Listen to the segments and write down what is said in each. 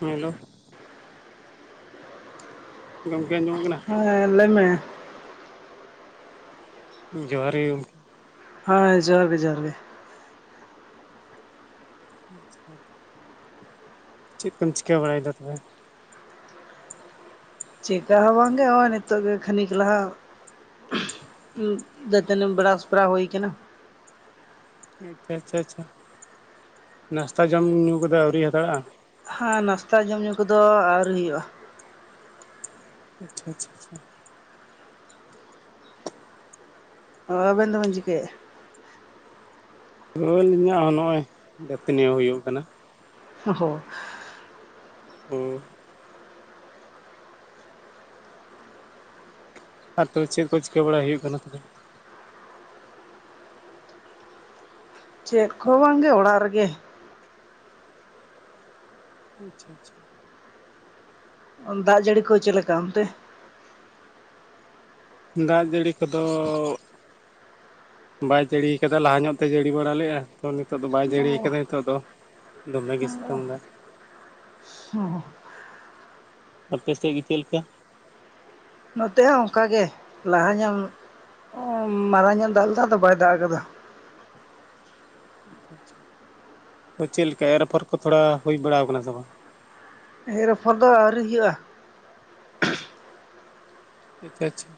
ᱧᱮᱞᱳ, ᱜᱚᱢᱠᱮ ᱟᱸᱡᱚᱢᱚᱜ ᱠᱟᱱᱟ? ᱦᱮᱸ ᱞᱟᱹ ᱢᱮ᱾ ᱡᱚᱦᱟᱨ ᱜᱮ ᱜᱚᱢᱠᱮ᱾ ᱦᱳᱭ ᱡᱚᱦᱟᱨ ᱜᱮ ᱡᱚᱦᱟᱨ ᱜᱮ, ᱟᱪᱪᱷᱟ, ᱪᱮᱫ ᱠᱚᱢ ᱪᱤᱠᱟᱹ ᱵᱟᱲᱟᱭᱫᱟ ᱛᱚᱵᱮ? ᱪᱮᱠᱟ ᱦᱚᱸ ᱵᱟᱝ ᱜᱮ ᱦᱚᱜᱼᱚᱭ ᱱᱤᱛᱳᱜ ᱜᱮ ᱠᱷᱟᱱᱤᱠ ᱞᱟᱦᱟ ᱫᱟᱹᱛᱟᱹᱱᱤ ᱵᱮᱨᱟᱥ ᱵᱟᱲᱟ ᱦᱳᱭ ᱠᱟᱱᱟ᱾ ᱟᱪᱪᱷᱟ ᱟᱪᱪᱷᱟ ᱟᱪᱪᱷᱟ ᱱᱟᱥᱛᱟ ᱡᱚᱢ ᱧᱩ ᱠᱚᱫᱚ ᱟᱣᱨᱤ ᱦᱟᱛᱟᱲᱟᱜᱼᱟ? ᱦᱟᱸ ᱱᱟᱥᱛᱟ ᱡᱚᱢ ᱧᱩ ᱠᱚᱫᱚ ᱟᱹᱣᱨᱤ ᱦᱩᱭᱩᱜᱼᱟ᱾ ᱟᱪᱪᱷᱟ ᱟᱪᱪᱷᱟ ᱟᱪᱪᱷᱟ ᱾ ᱚ ᱟᱵᱮᱱ ᱫᱚ ᱵᱮᱱ ᱪᱤᱠᱟᱹᱭᱮᱫ-ᱟ? ᱨᱩᱣᱧᱮᱠᱟ ᱱᱚᱜᱼᱚᱭ ᱫᱟᱹᱛᱟᱹᱱᱤ ᱦᱩᱭᱩᱜ ᱠᱟᱱᱟ᱾ [unintelligible] ᱦᱮᱸ ᱾ ᱟᱨ ᱛᱚᱵᱮ ᱪᱮᱫ ᱠᱚ ᱪᱤᱠᱟᱹ ᱵᱟᱲᱟᱭ ᱦᱩᱭᱩᱜ ᱡᱟᱱᱟ ᱛᱚᱵᱮ? ᱪᱮᱫ ᱠᱚ ᱦᱚᱸ ᱵᱟᱝᱜᱮ ᱚᱲᱟᱜ ᱨᱮᱜᱮ, ᱟᱪᱪᱷᱟ ᱟᱪᱪᱷᱟ, ᱫᱟᱜ ᱡᱟᱹᱲᱤ ᱠᱚ ᱪᱮᱫ ᱞᱮᱠᱟ ᱚᱱᱛᱮ? ᱫᱟᱜ ᱡᱟᱹᱲᱤ ᱠᱚᱫᱚ ᱵᱟᱭ ᱡᱟᱹᱲᱤ ᱠᱟᱫᱟ ᱞᱟᱦᱟ ᱧᱚᱜ ᱛᱮᱭ ᱡᱟᱹᱲᱤ ᱵᱟᱲᱟ ᱞᱮᱫᱼᱟ ᱛᱚ ᱱᱤᱛᱚᱜ ᱫᱚ ᱵᱟᱭ ᱡᱟᱹᱲᱤᱭᱟ ᱠᱟᱫᱟ ᱱᱤᱛᱚᱜ ᱫᱚ, ᱫᱚᱢᱮᱜᱮ ᱚ ᱥᱤᱛᱳᱜ ᱮᱫᱟ᱾ [unintelligible] ᱟᱯᱮ ᱥᱮᱫ ᱜᱮ ᱪᱮᱜ ᱞᱮᱠᱟ? ᱱᱚᱛᱮ ᱦᱚᱸ ᱚᱱᱠᱟ ᱜᱮ ᱞᱟᱦᱟ ᱧᱚᱜ ᱢᱟᱨᱟᱝ ᱧᱚᱜ ᱫᱟᱜ ᱞᱮᱫᱟ ᱟᱫᱚ ᱵᱟᱭ ᱫᱟᱜ ᱟᱠᱟᱫᱟ᱾ ᱛᱚ ᱪᱮᱫ ᱞᱮᱠᱟ ᱮᱨ ᱟᱯᱷᱚᱨ ᱠᱚ ᱛᱷᱚᱲᱟ ᱦᱳᱭ ᱵᱟᱲᱟ ᱟᱠᱟᱱᱟ ᱥᱮ ᱵᱟᱝ? ᱮᱨ ᱟᱯᱷᱚᱨ ᱫᱚ ᱟᱹᱮᱨᱤ ᱦᱩᱭᱩᱜᱼᱟ᱾ ᱟᱪᱪᱷᱟ ᱟᱪᱪᱷᱟ, [inaudible]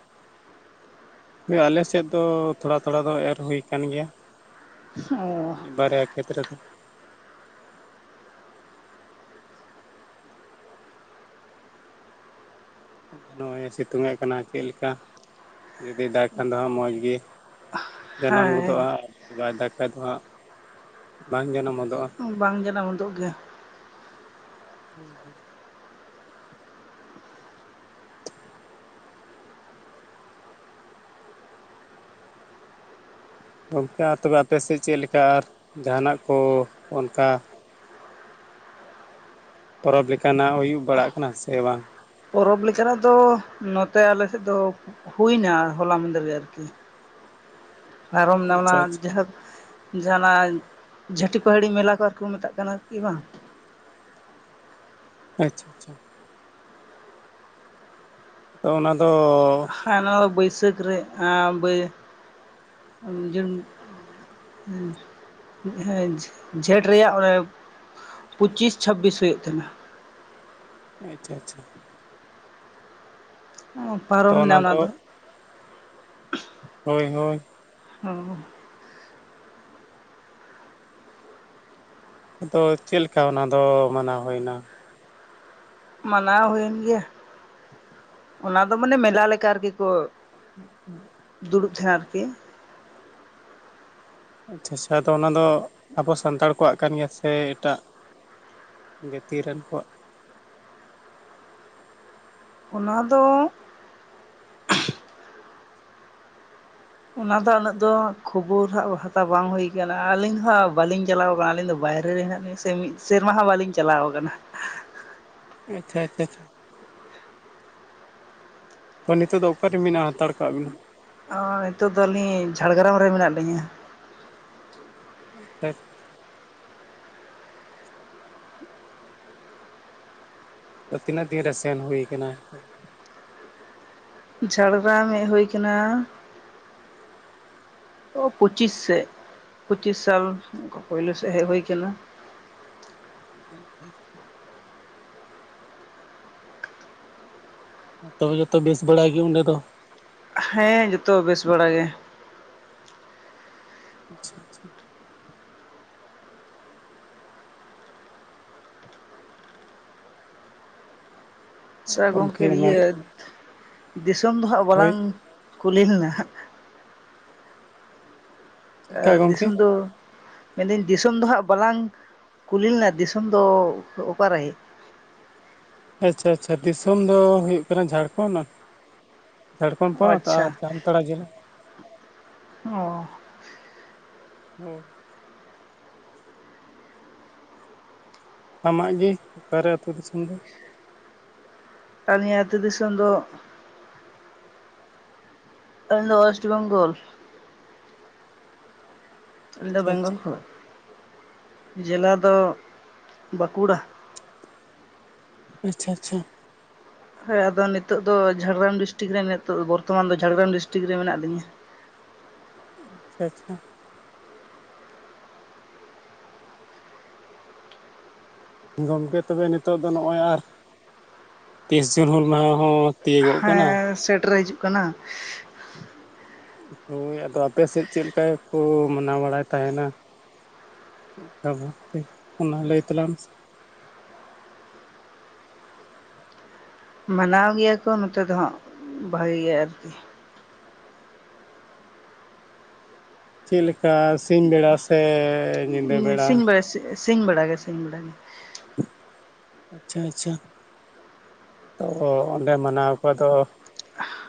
ᱦᱳᱭ ᱟᱞᱮ ᱥᱮᱫ ᱫᱚ ᱛᱷᱚᱲᱟ ᱛᱷᱚᱲᱟ ᱫᱚ ᱮᱨ ᱦᱩᱭ ᱟᱠᱟᱱ ᱜᱮᱭᱟ᱾ ᱚ ᱵᱟᱨᱭᱟ ᱠᱷᱮᱛ ᱨᱮᱫᱚ, ᱱᱚᱜᱼᱚᱭ ᱮ ᱥᱤᱛᱩᱝ ᱮ ᱠᱟᱱᱟ ᱪᱮᱫ ᱞᱮᱠᱟ? ᱡᱩᱫᱤ ᱫᱟᱜ ᱠᱷᱟᱱ ᱫᱚ ᱦᱟᱜ ᱢᱚᱸᱡᱽ ᱜᱤ ᱡᱟᱱᱟᱢ ᱦᱮᱸ ᱜᱚᱫᱚᱜᱼᱟ [unintelligible] ᱵᱟᱭ ᱫᱟᱜ ᱠᱷᱟᱡᱽ ᱫᱚ ᱦᱟᱸᱜ ᱵᱟᱝ ᱡᱟᱱᱟᱢ ᱜᱚᱫᱚᱜᱼᱟ, ᱵᱟᱝ ᱡᱟᱱᱟᱢ ᱩᱫᱚᱜ ᱜᱮ᱾ [inaudible] ᱜᱚᱢᱠᱮ ᱟᱨ ᱛᱚᱵᱮ ᱟᱯᱮ ᱥᱮᱫ ᱪᱮᱫ ᱞᱮᱠᱟ ᱟᱨ ᱡᱟᱦᱟᱱᱟᱜ ᱠᱚ ᱚᱱᱠᱟ? ᱯᱚᱨᱚᱵᱽ ᱞᱮᱠᱟᱱᱟᱜ ᱦᱩᱭᱩᱜ ᱵᱟᱲᱟᱜ ᱠᱟᱱᱟ ᱥᱮ ᱵᱟᱝ? ᱯᱚᱨᱚᱵᱽ ᱞᱮᱠᱟᱱᱟᱜ ᱫᱚ ᱱᱚᱛᱮ ᱟᱞᱮ ᱥᱮᱫ ᱫᱚ ᱦᱩᱭᱱᱟ ᱦᱚᱞᱟ ᱢᱟᱹᱫᱮᱨ ᱜᱮ ᱟᱨᱠᱤ᱾ [inaudible] ᱯᱟᱨᱚᱢ ᱱᱟ ᱚᱱᱟ ᱟᱪᱪᱷᱟ ᱟᱪᱪᱷᱟ ᱡᱟᱦᱟᱛ ᱡᱟᱦᱟᱸᱱᱟᱜ ᱡᱷᱟᱹᱴᱤ ᱯᱟᱹᱟᱦᱟᱹᱲᱤ ᱢᱮᱞᱟ ᱠᱚ ᱟᱨ ᱠᱚ ᱢᱮᱛᱟᱜ ᱠᱟᱱᱟ ᱠᱤ ᱵᱟᱝ᱾ ᱟᱪᱷᱟ ᱟᱪᱷᱟ ᱛᱚ ᱚᱱᱟ ᱫᱚ ᱦᱮᱸ ᱚᱱᱟ ᱫᱚ ᱵᱟᱹᱭᱥᱟᱹᱠ ᱨᱮ ᱟᱢ ᱵᱟᱹᱭ ᱡᱩᱱ ᱦᱮᱸ ᱡᱷᱮᱸᱴ ᱨᱮᱭᱟᱜ ᱚᱱᱮ ᱯᱚᱪᱤᱥ ᱪᱷᱟᱵᱤᱥ ᱦᱩᱭᱩᱜ ᱛᱟᱦᱮᱱᱟ᱾ ᱟᱪᱷᱟ ᱟᱪᱷᱟ ᱦᱮᱸ ᱯᱟᱨᱚᱢ ᱮᱱᱟ ᱚᱱᱟ ᱫᱚ᱾ ᱦᱳᱭ ᱦᱳᱭ᱾ ᱟᱵᱚ ᱟᱫᱚ ᱪᱮᱫ ᱞᱮᱠᱟ ᱚᱱᱟ ᱫᱚ ᱢᱟᱱᱟᱣ ᱦᱩᱭᱱᱟ? ᱢᱟᱱᱟᱣ ᱦᱩᱭᱮᱱ ᱜᱮᱭᱟ ᱚᱱᱟ ᱫᱚ ᱢᱟᱱᱮ ᱢᱮᱞᱟ ᱞᱮᱠᱟ ᱨᱮᱜᱤ ᱠᱚ ᱫᱩᱲᱩᱵ ᱛᱟᱦᱮᱸᱱ ᱟᱨᱠᱤ ᱟᱪᱷᱟ ᱟᱪᱷᱟ ᱟᱫᱚ ᱚᱱᱟ ᱫᱚ ᱟᱵᱚ ᱥᱟᱱᱛᱟᱲ ᱠᱚᱣᱟᱜ ᱠᱟᱱ ᱜᱮᱭᱟ ᱥᱮ ᱮᱴᱟᱜ ᱡᱟᱹᱛᱤ ᱨᱮᱱ ᱠᱚᱣᱟᱜ ᱚᱱᱟ ᱫᱚ ᱚᱱᱟ ᱫᱚ ᱩᱱᱟᱹᱜ ᱫᱚ ᱠᱷᱚᱵᱚᱨ ᱦᱟᱸᱜ ᱦᱟᱛᱟᱣ ᱵᱟᱝ ᱦᱩᱭ ᱠᱟᱱᱟ᱾ ᱟᱨ ᱟᱹᱞᱤᱧ ᱦᱚᱸᱵᱟᱹᱞᱤᱧ ᱪᱟᱞᱟᱣ ᱟᱠᱟᱱᱟ ᱟᱹᱞᱤᱧ ᱫᱚ ᱵᱟᱭᱨᱮ ᱨᱮ ᱦᱮᱱᱟᱜ ᱦᱮᱸ ᱥᱮ ᱢᱤᱫ ᱥᱮᱨᱢᱟ ᱦᱚᱸ ᱵᱟᱹᱞᱤᱧ ᱪᱟᱞᱟᱣ ᱟᱠᱟᱱᱟ᱾ [inaudible] ᱟᱪᱷᱟ ᱟᱪᱷᱟ ᱛᱚ ᱱᱤᱛᱚᱜ ᱫᱚ ᱚᱠᱟᱨᱮ ᱢᱮᱱᱟᱜᱼᱟ ᱦᱟᱛᱟᱲ ᱠᱟᱜ ᱵᱮᱱᱟ? ᱦᱚᱭ ᱱᱤᱛᱚᱜ ᱫᱚ ᱟᱹᱞᱤᱧ ᱡᱷᱟᱲᱜᱨᱟᱢ ᱨᱮ ᱢᱮᱱᱟᱜ ᱞᱤᱧᱟᱹ᱾ [inaudible] ᱛᱚ ᱛᱤᱱᱟᱹᱜ ᱫᱤᱱ ᱨᱮ ᱥᱮᱱ ᱦᱩᱭ ᱠᱟᱱᱟ? ᱡᱷᱟᱲᱜᱨᱟᱢ ᱦᱮᱜ ᱦᱩᱭ ᱠᱟᱱᱟ, ᱚ ᱯᱚᱸᱪᱤᱥ ᱥᱮᱫ ᱯᱩᱪᱤᱥ ᱥᱟᱞ ᱚᱱᱠᱟ ᱯᱳᱭᱞᱩ ᱥᱮᱫ ᱦᱮᱡ ᱦᱩᱭ ᱟᱠᱟᱱᱟ᱾ [unintelligible] ᱛᱚᱵᱮ ᱡᱚᱛᱚ ᱵᱮᱥ ᱵᱟᱲᱟ ᱜᱮ ᱚᱸᱰᱮ ᱫᱚ᱾ ᱦᱮᱸ ᱡᱚᱛᱚ ᱵᱮᱥ ᱵᱟᱲᱟ ᱜᱮ᱾ ᱟᱪᱷᱟ ᱟᱪᱷᱟ᱾ ᱟᱨ ᱟᱪᱷᱟ ᱜᱚᱝᱠᱮ ᱜᱚᱢᱠᱮ ᱢᱮᱱ ᱤᱭᱟᱹ ᱫᱤᱥᱚᱢ ᱫᱚ ᱦᱟᱸᱜ ᱦᱳᱭ ᱵᱟᱞᱟᱝ ᱠᱩᱞᱤ ᱞᱮᱱᱟ ᱦᱟᱸᱜ? ᱪᱮᱫᱠᱟ ᱮ ᱜᱚᱢᱠᱮ ᱫᱤᱥᱩᱢ ᱫᱚ ᱢᱮᱱ ᱫᱟᱹᱧ ᱫᱤᱥᱚᱢ ᱫᱚ ᱦᱟᱸᱜ ᱵᱟᱞᱟᱝ ᱠᱩᱞᱤ ᱞᱮᱱᱟ ᱫᱤᱥᱚᱢ ᱫᱚ ᱚᱠᱟᱨᱮ? ᱟᱪᱷᱟ ᱟᱪᱷᱟ ᱫᱤᱥᱚᱢ ᱫᱚ ᱦᱩᱭᱩᱜ ᱠᱟᱱᱟ ᱡᱷᱟᱲᱠᱷᱚᱸᱰ᱾ ᱡᱷᱟᱲᱠᱷᱚᱸᱰ ᱚ ᱯᱚᱱᱚᱛ ᱟᱪᱪᱷᱟ ᱟᱨ ᱡᱟᱢᱛᱟᱲᱟ ᱡᱤᱞᱟ᱾ ᱚ ᱦᱮᱸ᱾ ᱟᱢᱟᱜ ᱜᱮ ᱚᱠᱟᱨᱮ ᱟᱛᱩ ᱫᱤᱥᱚᱢ ᱫᱚ? ᱟᱹᱞᱤᱧᱟᱜ ᱟᱹᱛᱩ ᱫᱤᱥᱚᱢ ᱫᱚ, ᱟᱞᱤᱧ ᱫᱚ ᱣᱮᱥᱴ ᱵᱮᱝᱜᱚᱞ, ᱟᱹᱞᱤᱧ ᱫᱚ ᱟᱪᱪᱷᱟ ᱵᱮᱝᱜᱚᱞ ᱟᱪᱪᱷᱟ ᱠᱷᱚᱡ ᱡᱮᱞᱟ ᱫᱚ ᱵᱟᱸᱠᱩᱲᱟ ᱾ ᱟᱪᱷᱟ ᱟᱪᱷᱟ᱾ ᱦᱮᱸ ᱟᱫᱚ ᱱᱤᱛᱚᱜ ᱫᱚ ᱡᱷᱟᱲᱜᱨᱟᱢ ᱰᱤᱥᱴᱤᱠ ᱨᱮ ᱱᱤᱛᱚᱜ ᱫᱚ ᱵᱚᱨᱛᱚᱢᱟᱱ ᱫᱚ ᱡᱷᱟᱲᱜᱨᱟᱢ ᱰᱤᱥᱴᱤᱠ ᱨᱮ ᱢᱮᱱᱟᱜ ᱞᱤᱧᱟᱹ᱾ ᱟᱪᱪᱷᱟ ᱟᱪᱪᱷᱟ᱾ ᱜᱚᱢᱠᱮ ᱛᱚᱵᱮ ᱱᱤᱛᱚᱜ ᱫᱚ ᱱᱚᱜᱼᱚᱭ ᱟᱨ ᱛᱤᱨᱤᱥᱟ ᱡᱩᱱ ᱦᱩᱞ ᱢᱟᱦᱟ ᱦᱚᱸ ᱛᱤᱭᱳᱜᱚᱜ ᱠᱟᱱᱟ ᱦᱮᱸ ᱥᱮᱴᱮᱨ ᱦᱤᱡᱩᱜ ᱠᱟᱱᱟ ᱾ ᱦᱳᱭ ᱟᱫᱚ ᱟᱯᱮ ᱥᱮᱫ ᱪᱮᱫ ᱞᱮᱠᱟ ᱠᱚ ᱢᱟᱱᱟᱣ ᱵᱟᱲᱟᱭ ᱛᱟᱦᱮᱱᱟ? [unintelligible] ᱚᱱᱟ ᱞᱟᱹᱭ ᱛᱟᱞᱟᱝ ᱢᱮ ᱥᱮ ᱾ ᱢᱟᱱᱟᱣ ᱜᱮᱭᱟ ᱠᱚ ᱱᱚᱛᱮ ᱫᱚ ᱦᱟᱸᱜ ᱵᱷᱟᱜᱤ ᱜᱮ ᱟᱨᱠᱤ ᱾ ᱪᱮᱫ ᱞᱮᱠᱟ ᱥᱤᱧ ᱵᱮᱲᱟ ᱥᱮ ᱧᱤᱫᱟᱹ ᱵᱮᱲᱟ? ᱥᱤᱧ ᱵᱮᱲᱟ ᱜᱮ ᱥᱤᱧ ᱵᱮᱲᱟ ᱜᱮ ᱾ ᱟᱪᱪᱷᱟ ᱟᱪᱪᱷᱟ ᱛᱚ ᱚᱸᱰᱮ ᱢᱟᱱᱟᱣ ᱠᱚ ᱟᱫᱚ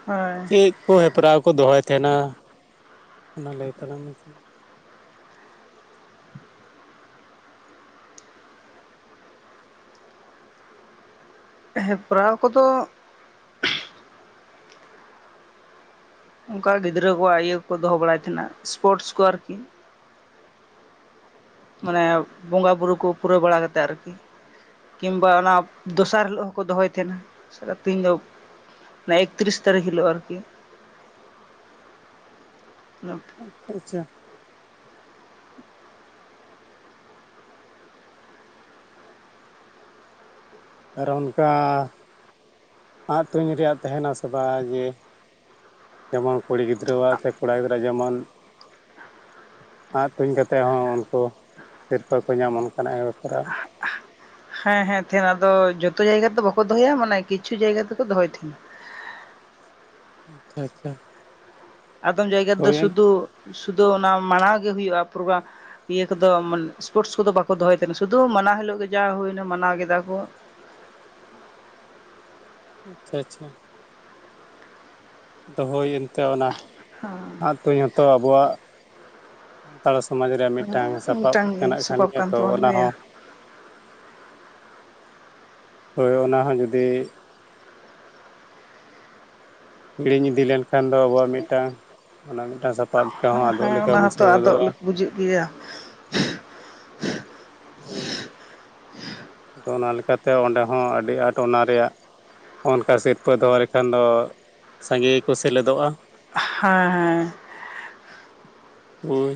ᱦᱳᱭ ᱪᱮᱫ ᱠᱚ ᱦᱮᱯᱨᱟᱣ ᱠᱚ ᱫᱚᱦᱚᱭ ᱛᱟᱦᱮᱱᱟ ᱚᱱᱟ ᱞᱟᱹᱭ ᱛᱟᱞᱟᱝ ᱢᱮ? ᱦᱮᱯᱨᱟᱣ ᱠᱚᱫᱚ ᱚᱱᱠᱟ ᱜᱤᱫᱽᱨᱟᱹ ᱠᱚᱣᱟᱜ ᱤᱭᱟᱹ ᱠᱚ ᱫᱚᱦᱚ ᱵᱟᱲᱟᱭ ᱛᱟᱦᱮᱱᱟ ᱥᱯᱳᱨᱴᱥ ᱠᱚ ᱟᱨᱠᱤ ᱾ ᱢᱟᱱᱮ ᱵᱚᱸᱜᱟ ᱵᱩᱨᱩ ᱠᱚ ᱯᱩᱨᱟᱹᱣ ᱵᱟᱲᱟ ᱠᱟᱛᱮᱫ ᱟᱨᱠᱤ ᱾ ᱠᱤᱢᱵᱟ ᱚᱱᱟ ᱫᱚᱥᱟᱨ ᱦᱤᱞᱳᱜ ᱦᱚᱸᱠᱚ ᱫᱚᱦᱚᱭ ᱛᱟᱦᱮᱱᱟ [unintelligible] ᱫᱚ ᱮᱠᱛᱨᱤᱥ ᱛᱟᱨᱤᱠᱷ ᱦᱤᱞᱳᱜ ᱟᱨᱠᱤ᱾ ᱟᱪᱪᱷᱟ, ᱟᱨ ᱚᱱᱠᱟ ᱟᱸᱜ ᱛᱩᱧ ᱨᱮᱭᱟᱜ ᱛᱟᱦᱮᱱᱟ ᱥᱮ ᱵᱟᱝ ᱡᱮ ᱡᱮᱢᱚᱱ ᱠᱩᱲᱤ ᱜᱤᱫᱽᱨᱟᱹ ᱟᱜ ᱥᱮ ᱠᱚᱲᱟ ᱜᱤᱫᱽᱨᱟᱹ ᱟᱜ ᱡᱮᱢᱚᱱ ᱟᱸᱜ ᱛᱩᱧ ᱠᱟᱛᱮᱫ ᱦᱚᱸ ᱩᱱᱠᱩ ᱥᱤᱨᱯᱟᱹ ᱠᱚ ᱧᱟᱢ ᱚᱱᱠᱟᱱᱟᱜ ᱦᱮᱯᱨᱟᱣ ᱦᱮᱸ ᱦᱮᱸ ᱛᱟᱦᱮᱱᱟ, ᱟᱫᱚ ᱡᱚᱛᱚ ᱡᱟᱭᱜᱟ ᱛᱚ ᱵᱟᱠᱚ ᱫᱚᱦᱚᱭᱟ ᱢᱟᱱᱮ ᱠᱤᱪᱷᱩ ᱡᱟᱭᱜᱟ ᱛᱮᱠᱚ ᱫᱚᱦᱚᱭ ᱛᱟᱦᱮᱱᱟ ᱾ ᱟᱪᱪᱷᱟ᱾ ᱟᱫᱚᱢ ᱡᱟᱭᱜᱟ ᱨᱮᱫᱚ ᱦᱳᱭᱮᱱ ᱥᱩᱫᱷᱩ ᱥᱩᱫᱷᱩ ᱚᱱᱟ ᱢᱟᱲᱟᱣ ᱜᱮ ᱦᱩᱭᱩᱜᱼᱟ ᱯᱨᱚᱜᱨᱟᱢ ᱾ ᱤᱭᱟᱹ ᱠᱚᱫᱚ ᱥᱯᱳᱨᱴᱥ ᱠᱚᱫᱚ ᱵᱟᱠᱚ ᱫᱚᱦᱚᱭ ᱛᱟᱦᱮᱸᱱᱟ ᱥᱩᱫᱩ ᱢᱟᱱᱟᱣ ᱦᱤᱞᱳᱜ ᱜᱮ ᱡᱟ ᱦᱩᱭᱱᱟ ᱢᱟᱱᱟᱣ ᱠᱮᱫᱟ ᱠᱚ ᱟᱪᱪᱷᱟ ᱟᱪᱪᱷᱟ ᱾ ᱦᱳᱭ ᱚᱱᱛᱮ ᱚᱱᱟ ᱟᱸᱜ ᱛᱩᱧ ᱦᱚᱛᱚ ᱟᱵᱚᱣᱟᱜ ᱥᱟᱱᱛᱟᱲ ᱥᱚᱢᱟᱡᱽ ᱨᱮᱭᱟᱜ ᱢᱤᱫᱴᱟᱝ ᱥᱟᱯᱟᱵ ᱢᱤᱫᱴᱟᱝ ᱞᱮᱠᱟᱱᱟᱜ ᱠᱟᱱ ᱥᱚᱵᱟᱵ ᱜᱮᱭᱟ ᱛᱚ ᱛᱟᱵᱚᱱ ᱜᱮᱭᱟ ᱚᱱᱟᱦᱚᱸ ᱦᱳᱭ ᱚᱱᱟ ᱦᱚᱸ ᱡᱩᱫᱤ, ᱦᱤᱲᱤᱧ ᱤᱫᱤ ᱞᱮᱱᱠᱷᱟᱱ ᱫᱚ ᱟᱵᱚᱣᱟᱜ ᱢᱤᱫᱴᱟᱝ ᱚᱱᱟ ᱢᱤᱫᱴᱟᱝ ᱥᱟᱯᱟᱵ ᱦᱚᱸ ᱟᱫᱚᱜ ᱦᱮᱸ ᱞᱮᱠᱟ ᱚᱱᱟ ᱦᱚᱸᱛᱚ ᱵᱩᱡᱷᱟᱹᱣ ᱟᱫᱚᱜ ᱜᱚᱫᱚᱜᱼᱟ ᱾ ᱵᱩᱡᱩᱜ ᱜᱮᱭᱟ ᱾ ᱦᱳᱭ ᱟᱫᱚ ᱚᱱᱟ ᱞᱮᱠᱟᱛᱮ ᱚᱸᱰᱮ ᱦᱚᱸ ᱟᱹᱰᱤ ᱟᱸᱴ ᱚᱱᱟ ᱨᱮᱭᱟᱜ ᱚᱱᱠᱟ ᱥᱤᱨᱯᱟᱹ ᱫᱚᱦᱚ ᱞᱮᱠᱷᱟᱱ ᱫᱚ ᱥᱟᱸᱜᱮ ᱜᱮᱠᱚ ᱥᱮᱞᱮᱫᱚᱜᱼᱟ ᱦᱮᱸ ᱦᱮᱸ ᱾ ᱦᱳᱭ ᱾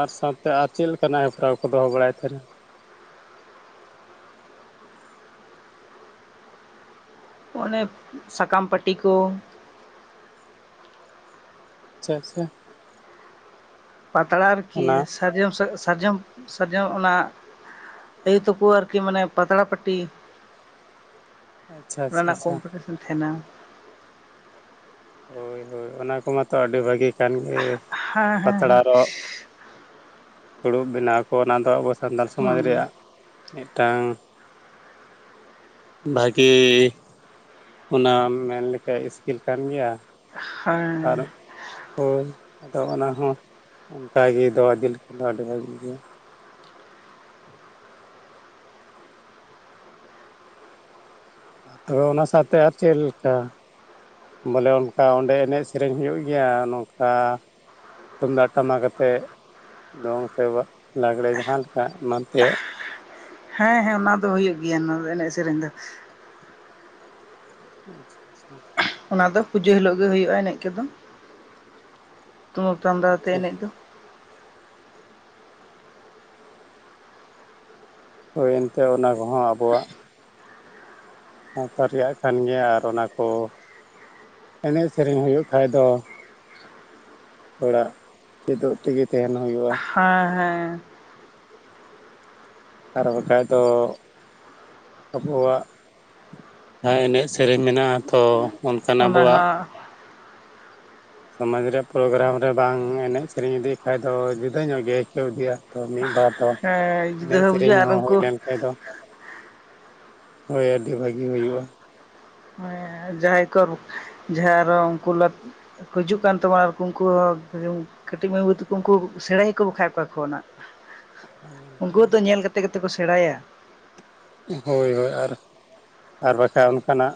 ᱟᱨ ᱥᱟᱶᱛᱮ ᱟᱨ ᱪᱮᱫ ᱞᱮᱠᱟᱱᱟᱜ ᱦᱮᱯᱨᱟᱣ ᱠᱚ ᱫᱚᱦᱚ ᱵᱟᱲᱟᱭ ᱛᱟᱦᱮᱱᱟ? ᱚᱱᱮ ᱥᱟᱠᱟᱢ ᱯᱟᱹᱴᱤ ᱠᱚ ᱾ [unintelligible] ᱯᱟᱛᱲᱟ ᱟᱨᱠᱤ ᱚᱱᱟ ᱥᱟᱨᱡᱚᱢ ᱥᱮ ᱥᱟᱨᱡᱚᱢ ᱥᱟᱨᱡᱚᱢ ᱚᱱᱟ [unintelligible] ᱟᱨᱠᱤ ᱢᱟᱱᱮ ᱯᱟᱛᱲᱟ ᱯᱟᱴᱤ, ᱟᱪᱪᱷᱟ ᱚᱱᱟ ᱟᱪᱪᱷᱟ ᱨᱮᱱᱟᱜ ᱟᱪᱪᱷᱟ ᱠᱚᱢᱯᱤᱴᱤᱥᱮᱱ ᱛᱟᱦᱮᱱᱟ ᱾ ᱦᱳᱭ ᱦᱳᱭ ᱚᱱᱟ ᱠᱚ ᱢᱟᱛᱚ ᱟᱹᱰᱤ ᱵᱷᱟᱹᱜᱤ ᱠᱟᱱ ᱜᱮ ᱦᱮᱸ ᱦᱮᱸ ᱯᱟᱛᱲᱟ ᱦᱮᱸ ᱨᱚᱜ ᱯᱷᱩᱲᱩᱵ ᱵᱮᱱᱟᱣ ᱠᱚ ᱚᱱᱟ ᱫᱚ ᱟᱵᱚ ᱥᱟᱱᱛᱟᱲ ᱥᱚᱢᱟᱡᱽ ᱦᱩᱸ ᱨᱮᱭᱟᱜ ᱢᱤᱫᱴᱟᱝ ᱵᱷᱟᱜᱮ ᱚᱱᱟᱢ ᱢᱮᱱᱞᱮᱠᱷᱟᱡ ᱤᱥᱠᱤᱞ ᱠᱟᱱ ᱜᱮᱭᱟ, ᱦᱮᱸ [unintelligible] ᱦᱳᱭ ᱟᱫᱚ ᱚᱱᱟ ᱦᱚᱸ ᱚᱱᱠᱟᱜᱮ ᱫᱚᱦᱚ ᱤᱫᱤ ᱞᱮᱠᱷᱟᱱ ᱫᱚ ᱟᱹᱰᱤ ᱵᱷᱟᱹᱜᱤ ᱜᱮᱭᱟ᱾ ᱛᱚᱵᱮ ᱚᱱᱟ ᱥᱟᱶᱛᱮ ᱟᱨ ᱪᱮᱫ ᱞᱮᱠᱟ? ᱵᱚᱞᱮ ᱚᱱᱠᱟ ᱚᱸᱰᱮ ᱮᱱᱮᱡ ᱥᱮᱨᱮᱧ ᱦᱩᱭᱩᱜ ᱜᱮᱭᱟ ᱱᱚᱝᱠᱟ ᱛᱩᱢᱫᱟᱜ ᱴᱟᱢᱟᱠ ᱟᱛᱮᱫ ᱫᱚᱝ ᱥᱮ ᱞᱟᱜᱽᱲᱮ ᱡᱟᱦᱟᱸ ᱞᱮᱠᱟ ᱮᱢᱟᱱ ᱛᱮᱭᱟᱜ? ᱦᱮᱸ ᱦᱮᱸ ᱚᱱᱟ ᱫᱚ ᱦᱩᱭᱩᱜ ᱜᱮᱭᱟ, ᱱᱚᱣᱟ ᱮᱱᱮᱡ ᱥᱮᱨᱮᱧ ᱫᱚ᱾ ᱟᱪᱪᱷᱟ ᱟᱪᱪᱷᱟ ᱾ ᱚᱱᱟ ᱫᱚ ᱯᱩᱡᱟᱹ ᱦᱤᱞᱳᱜ ᱜᱮ ᱦᱩᱭᱩᱜᱼᱟ ᱮᱱᱮᱡ ᱠᱚᱫᱚ ᱛᱩᱢᱫᱩᱫ ᱴᱟᱢᱫᱟ ᱟᱛᱮ ᱟᱪᱪᱷᱟ ᱮᱱᱮᱡ ᱫᱚ᱾ ᱦᱳᱭ ᱮᱱᱛᱮ ᱚᱱᱟ ᱠᱚᱦᱚᱸ ᱟᱵᱚᱣᱟᱜ ᱥᱟᱶᱛᱟ ᱨᱮᱭᱟᱜ ᱠᱟᱱ ᱜᱮᱭᱟ ᱟᱨ ᱚᱱᱟ ᱠᱚ ᱮᱱᱮᱡ ᱥᱮᱨᱮᱧ ᱦᱩᱭᱩᱜ ᱠᱷᱟᱭ ᱫᱚ ᱛᱷᱚᱲᱟ ᱪᱮᱫᱚᱜ ᱛᱮᱜᱮ ᱛᱟᱦᱮᱱ ᱱᱚ ᱦᱩᱭᱩᱜᱼᱟ᱾ ᱦᱮᱸ ᱦᱮᱸ ᱟᱨ ᱵᱟᱠᱷᱟᱡ ᱫᱚ ᱟᱵᱚᱣᱟᱜ ᱡᱟᱦᱟᱸ ᱮᱱᱮᱡ ᱥᱮᱨᱮᱧ ᱢᱮᱱᱟᱜᱼᱟ ᱛᱚ ᱚᱱᱠᱟᱱ ᱚᱱᱟ ᱟᱵᱚᱣᱟᱜ ᱦᱚᱸ ᱥᱚᱢᱟᱡᱽ ᱨᱮᱭᱟᱜ ᱯᱨᱳᱜᱨᱟᱢ ᱨᱮ ᱵᱟᱝ ᱮᱱᱮᱡ ᱥᱮᱨᱮᱧ ᱤᱫᱤᱜ ᱠᱷᱟᱡ ᱫᱚ ᱡᱩᱫᱟᱹ ᱧᱚᱜ ᱜᱮ ᱟᱹᱭᱠᱟᱹᱣ ᱤᱫᱤᱭᱟ ᱛᱚ ᱢᱤᱫ ᱵᱟᱨ ᱛᱚ ᱦᱮᱸ ᱡᱩᱫᱟᱹ ᱮᱱᱮᱡ ᱥᱮᱨᱮᱧ ᱵᱩᱡᱷᱟᱹᱜᱼᱟ ᱟᱨ ᱦᱚᱸ ᱦᱩᱭ ᱩᱱᱠᱩ ᱞᱮᱱᱠᱷᱟᱡ ᱫᱚ, ᱦᱳᱭ ᱟᱹᱰᱤ ᱵᱷᱟᱹᱜᱤ ᱦᱩᱭᱩᱜᱼᱟ᱾ ᱡᱟᱦᱟᱸᱭ ᱠᱚ ᱡᱟᱦᱟᱸ ᱟᱨᱚ ᱩᱱᱠᱩ ᱞᱟ. ᱦᱤᱡᱩᱜ ᱠᱟᱱ ᱛᱟᱵᱚᱱᱟ ᱟᱨ ᱩᱱᱠᱩ ᱠᱟᱹᱴᱤᱡ ᱢᱟᱹᱭ ᱵᱟᱹᱩ ᱛᱟᱠᱚ ᱩᱱᱠᱩ ᱥᱮᱬᱮ ᱟᱠᱚ ᱚᱠᱟ ᱠᱷᱚᱡ ᱠᱷᱚᱱᱟᱜ ᱩᱱᱠᱩ ᱦᱚᱸ ᱛᱚ ᱧᱮᱞ ᱠᱟᱛᱮ ᱜᱮᱛᱚ ᱠᱚ ᱥᱮᱬᱟᱭᱟ᱾ ᱦᱳᱭ ᱦᱳᱭ ᱟᱨ ᱟᱨ ᱵᱟᱠᱟᱱᱡ ᱚᱱᱠᱟᱱᱟᱜ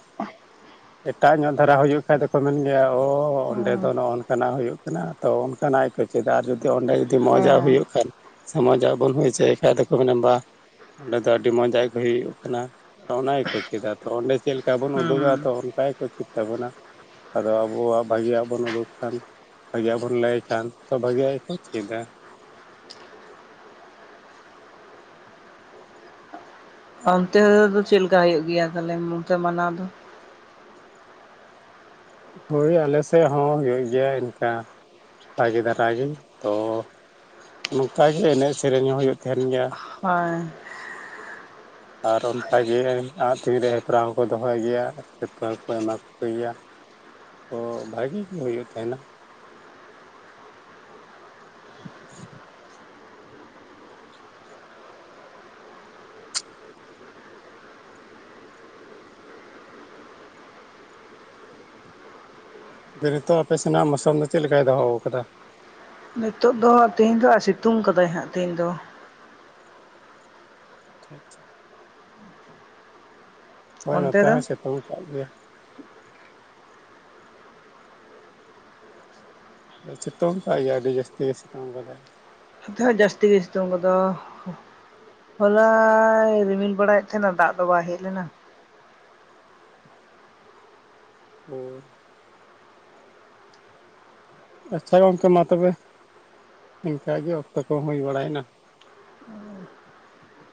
ᱮᱴᱟᱜ ᱧᱚᱜ ᱫᱷᱟᱨᱟ ᱦᱩᱭᱩᱜ ᱠᱷᱟᱡ ᱫᱚᱠᱚ ᱢᱮᱱ ᱜᱮᱭᱟ ᱚᱻ ᱚᱸᱰᱮ ᱫᱚ ᱦᱩᱸ ᱱᱚᱜᱼᱚ ᱱᱚᱝᱠᱟᱱᱟᱜ ᱦᱩᱭᱩᱜ ᱠᱟᱱᱟ᱾ ᱛᱚ ᱚᱱᱠᱟᱱᱟᱜ ᱜᱮ ᱠᱚ ᱪᱮᱫᱟ ᱟᱨ ᱡᱩᱫᱤ ᱚᱸᱰᱮ ᱡᱩᱫᱤ ᱢᱚᱡᱟᱜ ᱦᱮᱸ ᱦᱩᱭᱩᱜ ᱠᱷᱟᱱ [inaudible] ᱢᱮᱱᱟ ᱵᱟ ᱚᱸᱰᱮ ᱫᱚ ᱟᱹᱰᱤ ᱢᱚᱸᱡᱽ ᱟᱜ ᱜᱮ ᱦᱩᱭᱩᱜ ᱠᱟᱱᱟ ᱚᱱᱟ ᱜᱮᱠᱚ ᱪᱮᱫᱟ ᱛᱚ ᱚᱸᱰᱮ ᱪᱮᱫ ᱞᱮᱠᱟ ᱵᱚᱱ ᱩᱫᱩᱜᱟ ᱦᱩᱸ ᱛᱚ ᱚᱱᱠ ᱜᱮᱠᱚ ᱪᱮᱫ ᱛᱟᱵᱚᱱᱟ᱾ ᱟᱫᱚ ᱟᱵᱚᱣᱟᱜ ᱵᱷᱟᱹᱜᱤᱭᱟᱜ ᱵᱚᱱ ᱩᱰᱩᱠ ᱠᱷᱟᱱ, ᱵᱷᱟᱹᱜᱮᱭᱟᱜ ᱵᱚᱱ ᱞᱟᱹᱭ ᱠᱷᱟᱱ ᱛᱚ ᱵᱷᱟᱹᱜᱤᱭᱭᱟᱜ ᱜᱮᱠᱚ ᱪᱮᱫᱟ᱾ ᱚᱱᱛᱮ ᱫᱚ ᱪᱮᱫ ᱞᱮᱠᱟ ᱦᱩᱭᱩᱜ ᱜᱮᱭᱟ ᱛᱟᱦᱚᱞᱮ ᱚᱱᱛᱮ ᱢᱟᱱᱟᱣ ᱫᱚ? ᱦᱳᱭ ᱟᱞᱮ ᱥᱮᱫ ᱦᱚᱸ ᱦᱩᱭᱩᱜ ᱜᱮᱭᱟ ᱤᱱᱠᱟ ᱵᱷᱟᱜᱮ ᱫᱷᱟᱨᱟ ᱜᱤ ᱛᱚ ᱱᱚᱝᱠᱟᱜᱮ ᱮᱱᱮᱡ ᱥᱮᱨᱮᱧ ᱦᱚᱸ ᱦᱩᱭᱩᱜ ᱛᱟᱦᱮᱱ ᱜᱮᱭᱟ᱾ ᱦᱳᱭ ᱟᱨ ᱚᱱᱠᱟᱜᱮ ᱟᱸᱜ ᱛᱤᱨ ᱨᱮ ᱦᱮᱯᱨᱟᱣ ᱦᱚᱸᱠᱚ ᱫᱚᱦᱚᱭ ᱜᱮᱭᱟ ᱥᱤᱨᱯᱟᱹ ᱦᱚᱸᱠᱚ ᱮᱢᱟ ᱠᱚ ᱠᱚ ᱜᱮᱭᱟ᱾ ᱛᱚ ᱵᱷᱟᱜᱤ ᱜᱮ ᱦᱩᱭᱩᱜ ᱛᱟᱦᱮᱱᱟ᱾ ᱱᱤᱛᱚᱜ ᱟᱯᱮ ᱥᱮᱱᱟᱜ ᱢᱳᱥᱩᱢ ᱫᱚ ᱪᱮᱫ ᱞᱮᱠᱟᱭ ᱫᱚᱦᱚ ᱟᱠᱟᱫᱟ? ᱱᱤᱛᱳ ᱫᱚ ᱛᱮᱦᱤᱧ ᱫᱚ ᱟᱨ ᱥᱤᱛᱩᱝ ᱠᱟᱫᱟᱭ ᱦᱟᱸᱜ ᱛᱮᱦᱤᱧ ᱫᱚ᱾ ᱟᱪᱪᱷᱟ ᱟᱪᱪᱷᱟ ᱾ ᱦᱳᱭ ᱚᱱᱛᱮ ᱱᱚᱛᱮ ᱫᱚ? ᱦᱚᱸᱭ ᱥᱤᱛᱩᱝ ᱟᱠᱟᱫ ᱜᱮᱭᱟ ᱾ ᱥᱤᱛᱩᱝ ᱟᱠᱟᱫ ᱜᱮᱭᱟ ᱟᱹᱰᱤ ᱡᱟᱹᱥᱛᱤ ᱜᱮ ᱥᱤᱛᱩᱝ ᱟᱠᱟᱫᱟᱭ᱾ ᱱᱤᱛᱚ ᱦᱚᱸ ᱡᱟᱹᱥᱛᱤ ᱥᱤᱛᱩᱝ ᱠᱚᱫᱚ ᱦᱚᱞᱟᱭ ᱨᱤᱢᱤᱞ ᱵᱟᱲᱟᱭᱮᱫ ᱛᱟᱦᱮᱱᱟ ᱫᱟᱜ ᱫᱚ ᱵᱟᱭ ᱦᱮᱡ ᱞᱮᱱᱟ᱾ [unintelligible] ᱟᱪᱪᱷᱟ ᱜᱚᱝᱠᱮ ᱢᱟ ᱛᱚᱵᱮ, ᱤᱱᱠᱮ ᱚᱠᱛᱚ ᱠᱚᱼᱦᱚᱸ ᱦᱩᱭ ᱵᱟᱲᱟᱭᱮᱱᱟ᱾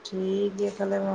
ᱴᱷᱤᱠ ᱜᱮᱭᱟ ᱛᱟᱦᱚᱞᱮ ᱢᱟ᱾